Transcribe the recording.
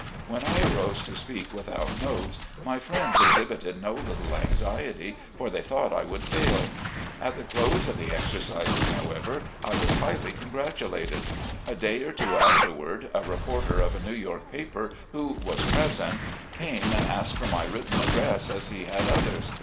When I arose to speak without notes my friends exhibited no little anxiety, for they thought I would fail. At the close of the exercises, however, I was highly congratulated. A day or two afterward, a reporter of a New York paper, who was present, came and asked for my written address, as he had others.